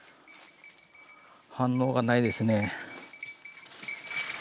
反応がないですね。